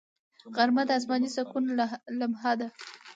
غرمه د آسماني سکون لمحه ده